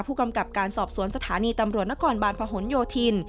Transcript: ผู้กำกับการสอบสวนสถานีตำรวจนครบาลพหนโยธิน